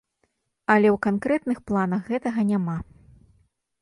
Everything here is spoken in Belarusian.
Але ў канкрэтных планах гэтага няма.